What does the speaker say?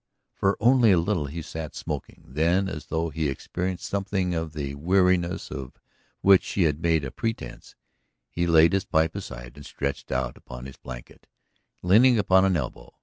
For only a little he sat smoking. Then, as though he experienced something of that weariness of which she had made pretense, he laid his pipe aside and stretched out upon his blanket, leaning upon an elbow.